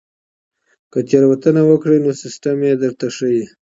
که تېروتنه وکړئ نو سیستم یې درته ښيي.